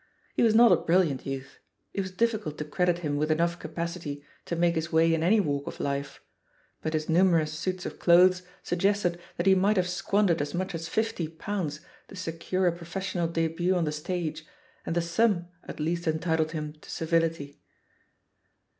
He was not a brilliant youth ; it mas difficult to credit him with enough capacity to make his way in any walk of life ; but his nu merous suits of clothes suggested that he might have squandered as much as fifty pounds to se cure a professional debut on the stage, and the sum at least entitled him to civility.